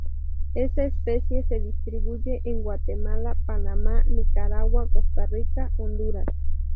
Esta especie se distribuye en Guatemala, Panamá, Nicaragua, Costa Rica, Honduras.